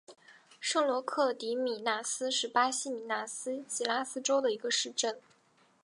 圣罗克迪米纳斯是巴西米纳斯吉拉斯州的一个市镇。